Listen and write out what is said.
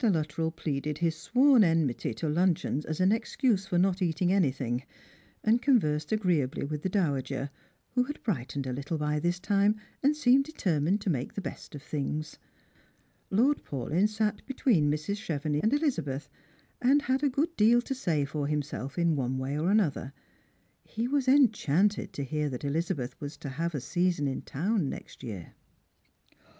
Luttrell pleaded hia sworn enmity to luncheons as an excuse for not eating any thing; and conversed agreeably with the dowager, who had brightened a little by this time, and seemed determined to make the best of things. Lord Paulyn sat between Mrs. Chevenix and Elizabeth, and had a good deal to say for himself in one way or another. He was enchanted to hear that Eliza beth was to have a season in town next year. Strangers and Pilgrims.